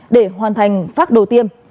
để hoàn thành phác đồ tiêm